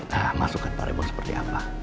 hah masukan pak remon seperti apa